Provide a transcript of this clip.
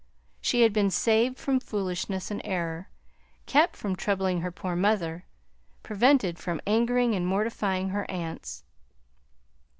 She had been saved from foolishness and error; kept from troubling her poor mother; prevented from angering and mortifying her aunts.